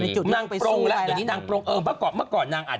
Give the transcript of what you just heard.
จริง